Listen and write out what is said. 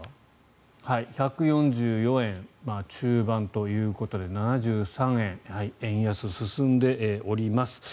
１４４円中盤ということで７３銭、円安進んでおります。